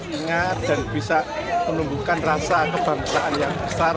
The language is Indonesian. ingat dan bisa menumbuhkan rasa kebangsaan yang besar